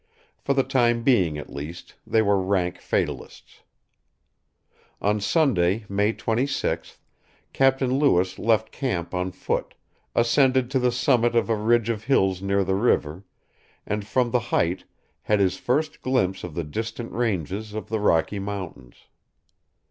For the time being, at least, they were rank fatalists. On Sunday, May 26th, Captain Lewis left camp on foot, ascended to the summit of a ridge of hills near the river, and from the height had his first glimpse of the distant ranges of the Rocky Mountains.